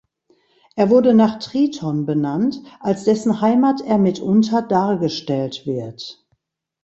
Er wurde nach Triton benannt, als dessen Heimat er mitunter dargestellt wird.